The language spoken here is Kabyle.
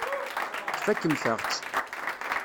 Tfakemt-aɣ-tt.